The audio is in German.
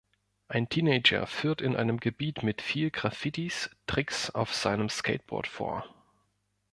Ein Teenager führt in einem Gebiet mit viel Graffitis Tricks auf seinem Skateboard vor.